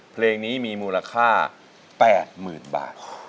เพลงนี้มีมูลค่า๘๐๐๐บาท